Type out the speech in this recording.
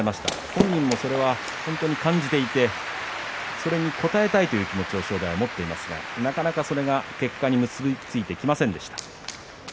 本人もそれは感じていてそれに応えたいという気持ち正代は持っていますがなかなかそれが結果に結び付いてきませんでした。